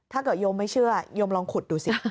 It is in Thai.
โยมไม่เชื่อโยมลองขุดดูสิ